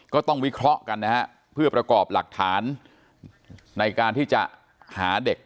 วิเคราะห์กันนะฮะเพื่อประกอบหลักฐานในการที่จะหาเด็ก